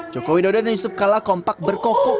jokowi dodo dan yusuf kala kompak berkoko